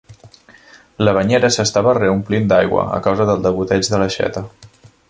La banyera s'estava reomplint d'aigua a causa del degoteig de l'aixeta.